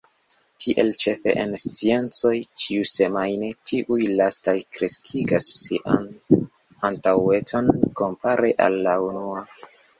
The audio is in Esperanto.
Tiel ĉefe en sciencoj ĉiusemajne tiuj lastaj kreskigas sian antaŭecon kompare al la unuaj.